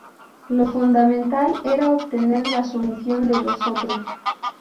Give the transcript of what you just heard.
Lo fundamental era obtener la sumisión de los otros.